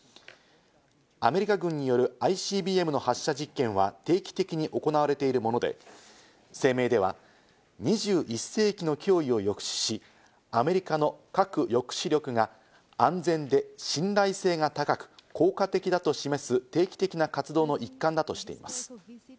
アメリカ軍によるＩＣＢＭの発射実験は定期的に行われているもので、声明では２１世紀の脅威を抑止し、アメリカの核抑止力が安全で信頼性が高く、効果的だと示す定期的な活動の一環だとしています。